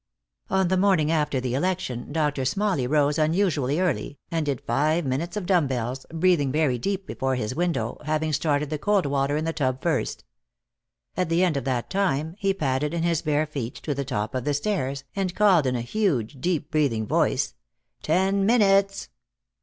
On the morning after the election Doctor Smalley rose unusually early, and did five minutes of dumb bells, breathing very deep before his window, having started the cold water in the tub first. At the end of that time he padded in his bare feet to the top of the stairs and called in a huge, deep breathing voice: "Ten minutes."